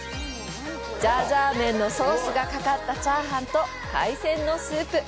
ジャージャー麺のソースがかかったチャーハンと海鮮のスープ！